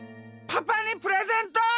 パパにプレゼント！